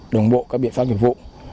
đồng bộ các biện pháp hiệu vụ